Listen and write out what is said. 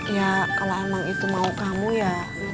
ya kalau emang itu mau kamu ya